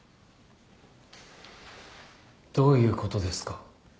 どういうことですか？